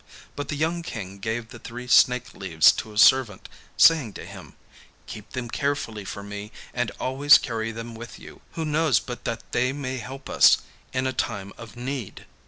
But the young King gave the three snake leaves to a servant, saying to him, 'Keep them carefully for me, and always carry them with you; who knows but that they may help us in a time of need!